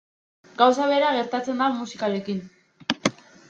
Gauza bera gertatzen da musikarekin.